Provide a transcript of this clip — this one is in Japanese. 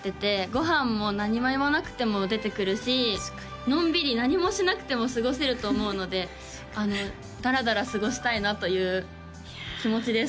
ご飯も何も言わなくても出てくるしのんびり何もしなくても過ごせると思うのであのダラダラ過ごしたいなという気持ちです